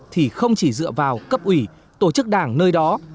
thì không chỉ dựa vào cấp ủy tổ chức đảng nơi đó